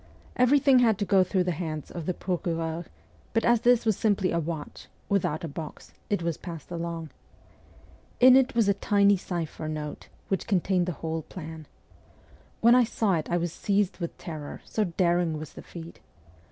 Everything had to go through the hands of the procureur ; but as this was simply a watch, without a box, it was passed along. In it was a tiny cipher note which contained the whole plan. When I saw it I was seized with terror, so daring was the feat.